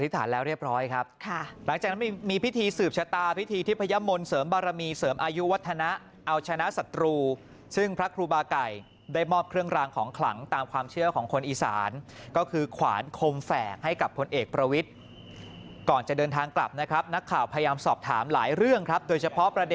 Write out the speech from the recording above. ฐานแล้วเรียบร้อยครับค่ะหลังจากนั้นมีพิธีสืบชะตาพิธีทิพยมนต์เสริมบารมีเสริมอายุวัฒนะเอาชนะศัตรูซึ่งพระครูบาไก่ได้มอบเครื่องรางของขลังตามความเชื่อของคนอีสานก็คือขวานคมแฝกให้กับพลเอกประวิทย์ก่อนจะเดินทางกลับนะครับนักข่าวพยายามสอบถามหลายเรื่องครับโดยเฉพาะประเด